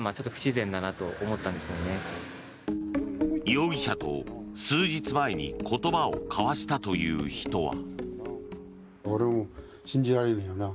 容疑者と数日前に言葉を交わしたという人は。